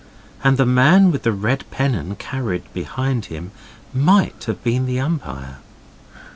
And the man with a red pennon carried behind him MIGHT have been the umpire.